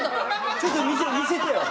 ちょっと見せてよ。